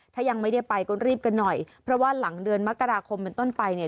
ถ้ายังไม่ได้ไปก็รีบกันหน่อยเพราะว่าหลังเดือนมกราคมเป็นต้นไปเนี่ย